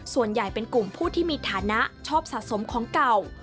ส่วนใหญ่เป็นกลุ่มผู้ที่มีฐานะชอบสะสมของเก่า